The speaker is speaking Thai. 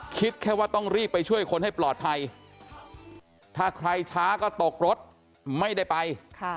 คิดแค่ว่าต้องรีบไปช่วยคนให้ปลอดภัยถ้าใครช้าก็ตกรถไม่ได้ไป